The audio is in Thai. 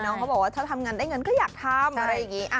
เขาบอกว่าถ้าทำงานได้เงินก็อยากทำ